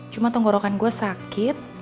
cuma tenggorokan gue sakit